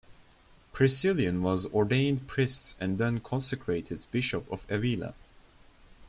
Priscillian was ordained priest and then consecrated bishop of Avila.